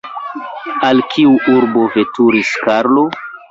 Al kiu urbo veturis Karlo?